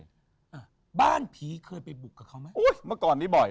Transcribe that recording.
อ่ะบ้านผีเคยไปบุกกับเขาไหมโอ้ยเมื่อก่อนนี้บ่อย